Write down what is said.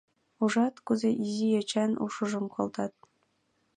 — Ужат, кузе изи йочан ушыжым колтат!